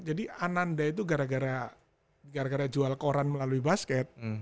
jadi ananda itu gara gara jual koran melalui basket